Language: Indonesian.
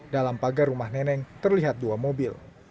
dalam pagar rumah neneng terlihat dua mobil